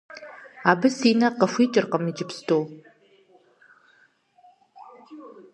Абы си нэ къыхуикӀыркъым иджыпсту.